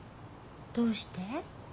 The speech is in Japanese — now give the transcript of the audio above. どうして？